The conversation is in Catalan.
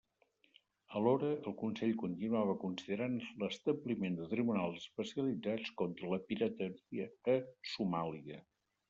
Alhora, el Consell continuava considerant l'establiment de tribunals especialitzats contra la pirateria a Somàlia.